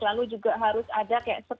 lalu juga harus ada kayak scan